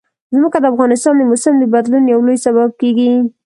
ځمکه د افغانستان د موسم د بدلون یو لوی سبب کېږي.